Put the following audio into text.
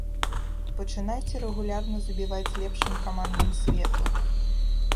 Пачынайце рэгулярна забіваць лепшым камандам свету.